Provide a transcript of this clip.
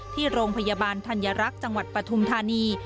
ที่โรงพยาบาลธัญรักษ์จังหวัดปฐุมธานี